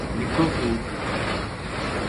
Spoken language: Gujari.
نِکو پوت